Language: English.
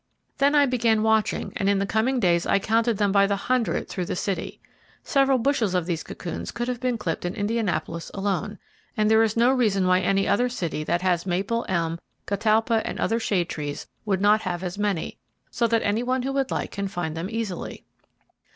Then I began watching, and in the coming days I counted them by the hundred through the city. Several bushels of these cocoons could have been clipped in Indianapolis alone, and there is no reason why any other city that has maple, elm, catalpa, and other shade trees would not have as many; so that any one who would like can find them easily.